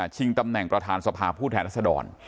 ตำแหน่งประธานสภาผู้แทนรัศดร